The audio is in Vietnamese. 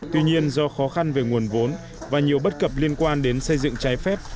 tuy nhiên do khó khăn về nguồn vốn và nhiều bất cập liên quan đến xây dựng trái phép